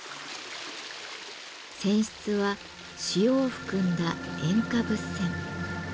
泉質は塩を含んだ塩化物泉。